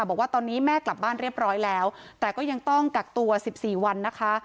บอกว่าตอนนี้แม่กลับบ้านเรียบร้อยแล้วแต่ก็ยังต้องกักตัว๑๔วันนะคะ